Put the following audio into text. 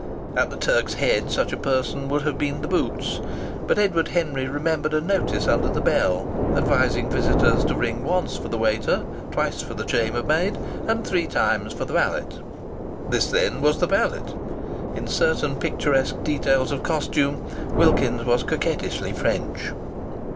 At the Turk's Head such a person would have been the boots. But Edward Henry remembered a notice under the bell, advising visitors to ring once for the waiter, twice for the chambermaid, and three times for the valet. This, then, was the valet. In certain picturesque details of costume Wilkins's was coquettishly French.